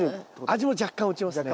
味も若干落ちますね。